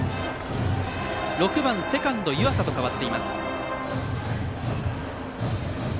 ６番セカンド、湯浅と代わっています。